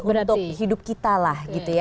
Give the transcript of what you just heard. jadi untuk hidup kita lah gitu ya